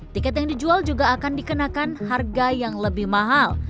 tiket yang dijual juga akan dikenakan harga yang lebih mahal